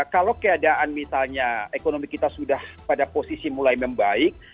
kalau keadaan misalnya ekonomi kita sudah pada posisi mulai membaik